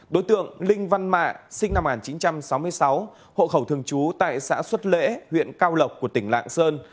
đối tượng linh văn mạ sinh năm một nghìn chín trăm sáu mươi sáu hộ khẩu thường trú tại xã xuất lễ huyện cao lộc của tỉnh lạng sơn